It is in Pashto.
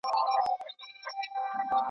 لوی ټولنیز نظامونه تر بحث لاندې دي.